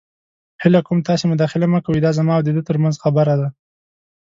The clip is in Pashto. هیله کوم تاسې مداخله مه کوئ. دا زما او ده تر منځ خبره ده.